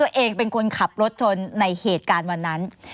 แต่ว่าตัวเองเป็นคนขับรถชนในเหตุในวันนั้น